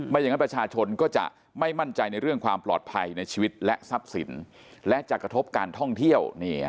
อย่างนั้นประชาชนก็จะไม่มั่นใจในเรื่องความปลอดภัยในชีวิตและทรัพย์สินและจะกระทบการท่องเที่ยว